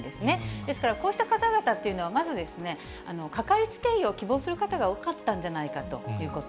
ですから、こうした方々というのは、まず、掛かりつけ医を希望する方が多かったんじゃないかということ。